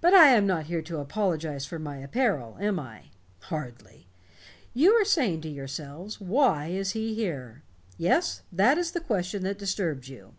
"But I am not here to apologize for my apparel, am I? Hardly. You are saying to yourselves 'Why is he here?' Yes, that is the question that disturbs you.